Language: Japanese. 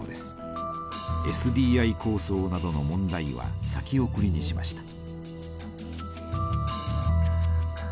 ＳＤＩ構想などの問題は先送りにしました。